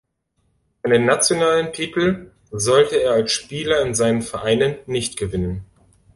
Einen nationalen Titel sollte er als Spieler in seinen Vereinen nicht gewinnen.